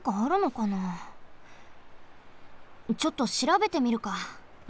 ちょっとしらべてみるか。